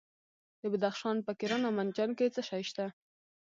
د بدخشان په کران او منجان کې څه شی شته؟